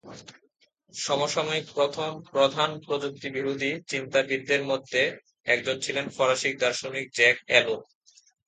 সমসাময়িক প্রথম প্রধান প্রযুক্তিবিরোধী চিন্তাবিদদের মধ্যে একজন ছিলেন ফরাসি দার্শনিক জ্যাক এলুল।